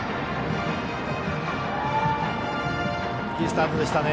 いいスタートでしたね